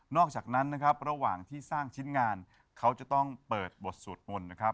อกจากนั้นนะครับระหว่างที่สร้างชิ้นงานเขาจะต้องเปิดบทสวดมนต์นะครับ